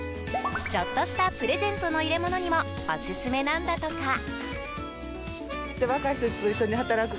ちょっとしたプレゼントの入れ物にもオススメなんだとか。